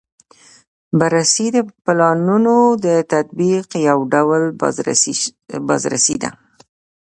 بررسي د پلانونو د تطبیق یو ډول بازرسي ده.